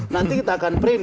nanti kita akan print